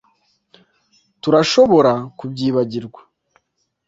Turashobora kubyibagirwa